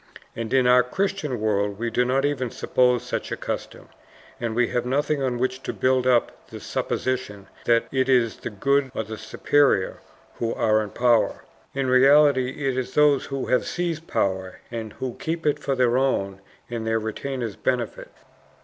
And in our Christian world we do not even suppose such a custom, and we have nothing on which to build up the supposition that it is the good or the superior who are in power; in reality it is those who have seized power and who keep it for their own and their retainers' benefit.